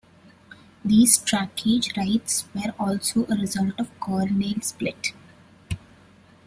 These trackage rights were also a result of the Conrail split.